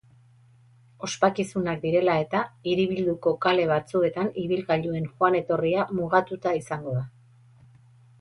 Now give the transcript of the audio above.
Ospakizunak direla eta, hiribilduko kale batzuetan ibilgailuen joan-etorria mugatuta izango da.